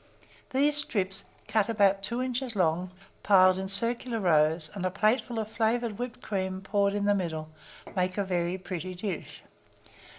These strips, cut about 2 inches long, piled in circular rows, and a plateful of flavoured whipped cream poured in the middle, make a very pretty dish.